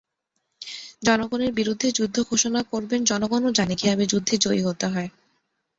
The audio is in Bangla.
জনগণের বিরুদ্ধে যুদ্ধ ঘোষণা করবেন, জনগণও জানে, কীভাবে যুদ্ধে জয়ী হতে হয়।